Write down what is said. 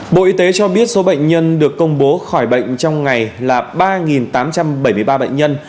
bộ y tế cho biết số bệnh nhân được công bố khỏi bệnh trong ngày là ba tám trăm bảy mươi ba bệnh nhân